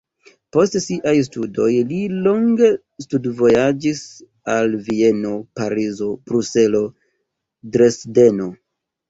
Post siaj studoj li longe studvojaĝis al Vieno, Parizo, Bruselo, Dresdeno.